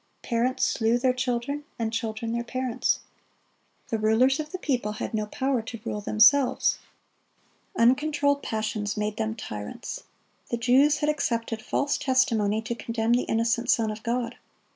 Parents slew their children and children their parents. The rulers of the people had no power to rule themselves. Uncontrolled passions made them tyrants. The Jews had accepted false testimony to condemn the innocent Son of God.